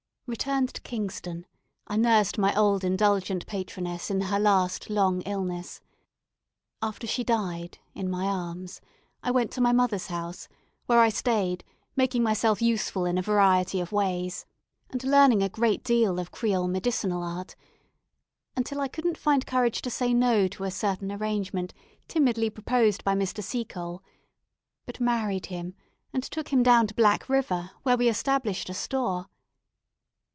Returned to Kingston, I nursed my old indulgent patroness in her last long illness. After she died, in my arms, I went to my mother's house, where I stayed, making myself useful in a variety of ways, and learning a great deal of Creole medicinal art, until I couldn't find courage to say "no" to a certain arrangement timidly proposed by Mr. Seacole, but married him, and took him down to Black River, where we established a store.